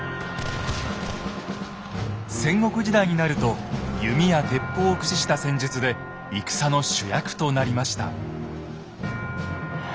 戦国時代になると弓や鉄砲を駆使した戦術で戦の主役となりました。